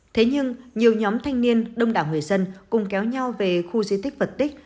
thế nhưng nhiều nhóm thanh niên đông đảo người dân cùng kéo nhau về khu di tích vật tích